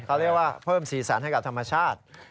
เขาเรียกว่าเพิ่มสีสันให้กับธรรมชาติ